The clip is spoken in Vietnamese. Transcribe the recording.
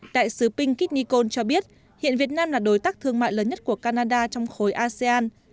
đại sứ pinky nikon cho biết hiện việt nam là đối tác thương mại lớn nhất của canada trong khối asean